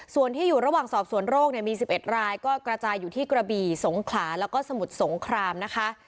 ส่วนที่อยู่ระหว่างสอบสวนโรคเนี่ยมี๑๑รายก็กระจายอยู่ที่กระบี่สงขลาแล้วก็สมุทรสงครามนะคะ